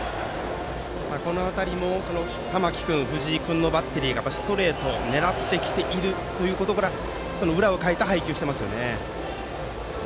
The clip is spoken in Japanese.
この辺りも玉木君、藤井君のバッテリーがストレートを狙ってきているということから裏をかいた配球をしていますね。